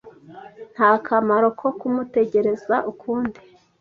Nta kamaro ko kumutegereza ukundi.